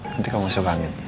nanti kamu masih bangin